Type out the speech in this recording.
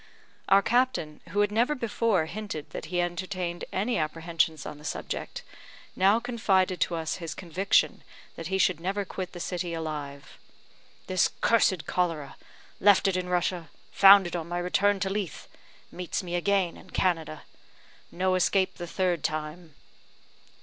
Our captain, who had never before hinted that he entertained any apprehensions on the subject, now confided to us his conviction that he should never quit the city alive: "This cursed cholera! Left it in Russia found it on my return to Leith meets me again in Canada. No escape the third time."